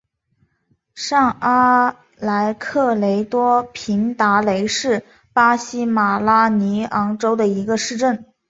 上阿莱格雷多平达雷是巴西马拉尼昂州的一个市镇。